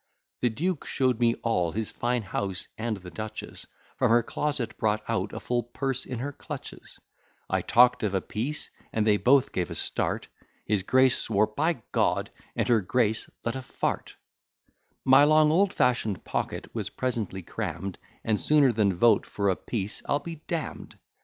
_ The duke show'd me all his fine house; and the duchess From her closet brought out a full purse in her clutches: I talk'd of a peace, and they both gave a start, His grace swore by G d, and her grace let a f t: My long old fashion'd pocket was presently cramm'd; And sooner than vote for a peace I'll be damn'd.